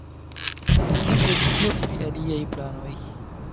Sed kio pri aliaj planoj?